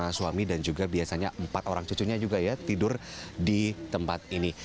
suami dan juga biasanya empat orang cucunya juga ya tidur di tempat ini